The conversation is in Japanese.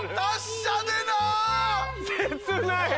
切ない！